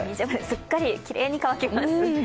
すっかりきれいに乾きます。